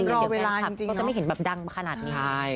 เราจะไม่เห็นแบบดังขนาดนี้